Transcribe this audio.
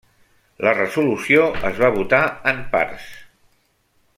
La resolució es va votar en parts.